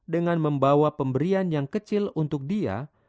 dengan membawa pemberian yang kecil untuk dia